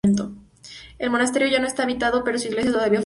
El monasterio ya no está habitado, pero su iglesia todavía funciona.